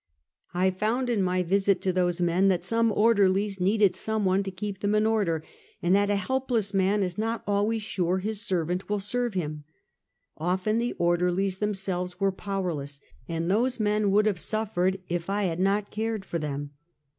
I found in my visit to those men that some order lies needed some one to keep them in order, and that a helpless man is not always sure bis servant will serve him. Often the orderlies themselves were powerless, and those men would have sufiered if I had not cared for them.